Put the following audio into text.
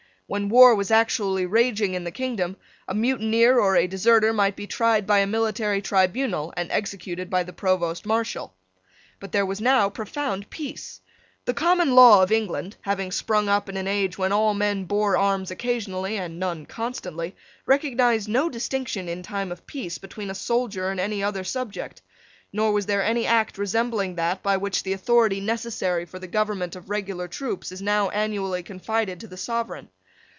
When war was actually raging in the kingdom a mutineer or a deserter might be tried by a military tribunal and executed by the Provost Marshal. But there was now profound peace. The common law of England, having sprung up in an age when all men bore arms occasionally and none constantly, recognised no distinction, in time of peace, between a soldier and any other subject; nor was there any Act resembling that by which the authority necessary for the government of regular troops is now annually confided to the Sovereign.